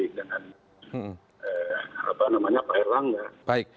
dengan apa namanya pak erlang ya